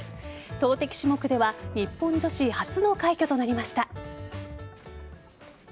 投てき種目では日本女子初の快挙となりました。